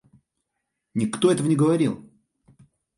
Никто этого не говорил.